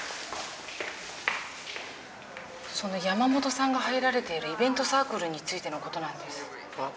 その山本さんが入られているイベントサークルについての事なんです。